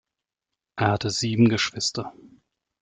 Er hatte sieben Geschwister.